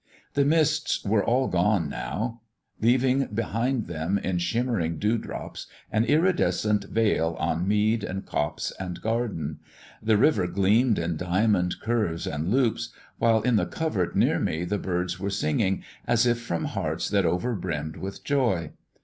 The mists were all gone, now, leaving behind them in shimmering dewdrops an iridescent veil on mead and copse and garden; the river gleamed in diamond curves and loops, while in the covert near me the birds were singing as if from hearts that over brimmed with joy.